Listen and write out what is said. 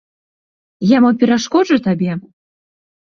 Я мо перашкоджу табе?